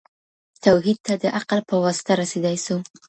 توحيد ته د عقل په واسطه رسېدای سو.